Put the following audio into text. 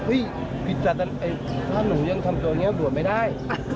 ผิดจัดถ้าหนูยังทำตัวนี้บวชไม่ได้